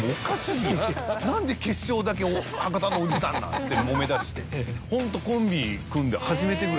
「何で決勝だけ博多のおじさんなん？」ってもめ出してホント。